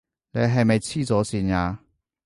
你係咪痴咗線呀？